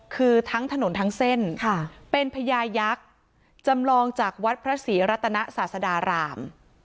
คือทั้งถนนทั้งเส้นเป็นพญายักษ์จำลองจากวัดพระศรีรัตนศาสดาราม